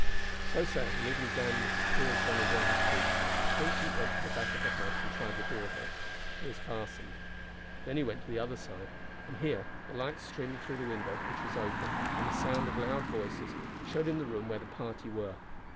So saying, leaving Dan with the tears running down his cheeks, Vincent went to the back of the house and tried the door there. It was fastened. Then he went to the other side; and here, the light streaming through the window, which was open, and the sound of loud voices, showed him the room where the party were.